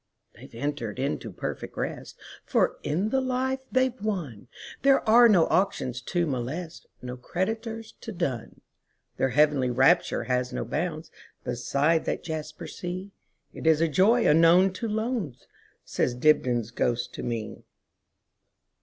"They 've entered into perfect rest; For in the life they 've wonThere are no auctions to molest, No creditors to dun. Their heavenly rapture has no boundsBeside that jasper sea; It is a joy unknown to Lowndes,"Says Dibdin's ghost to me.